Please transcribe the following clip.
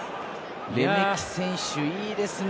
レメキ選手いいですね！